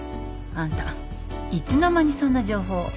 あんたいつの間にそんな情報を。